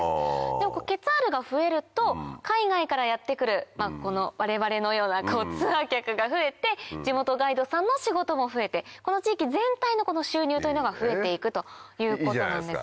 でもケツァールが増えると海外からやって来る我々のようなツアー客が増えて地元ガイドさんの仕事も増えてこの地域全体の収入というのが増えていくということなんですよ。